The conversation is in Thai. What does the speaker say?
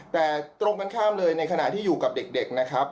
แต่ตรงข้ามเลยในขณะที่อยู่กับเด็ก